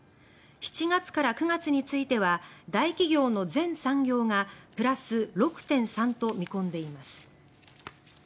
７月から９月については大企業の全産業がプラス６．３と見込んでいます。